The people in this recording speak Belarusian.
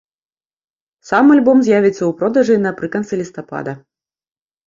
Сам альбом з'явіцца ў продажы напрыканцы лістапада.